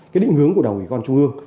cái định hướng của đảng ủy quan trung ương